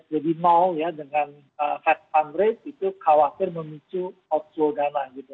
jadi nol ya dengan fed fundraise itu khawatir memicu outflow dana gitu